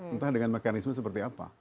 entah dengan mekanisme seperti apa